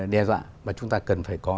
đe dọa và chúng ta cần phải có